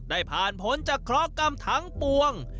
ได้ผ่านผลจากโครงกรรมทั้งปวง